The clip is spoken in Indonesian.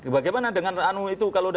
bagaimana dengan rano itu